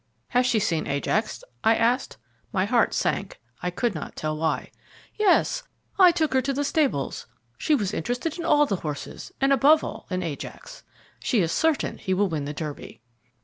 "Has she seen Ajax?" I asked. My heart sank, I could not tell why. "Yes, I took her to the stables. She was interested in all the horses, and above all in Ajax. She is certain he will win the Derby."